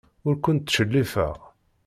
Ur kent-ttcellifeɣ.